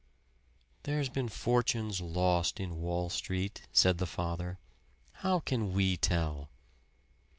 "There's been fortunes lost in Wall Street," said the father. "How can we tell?"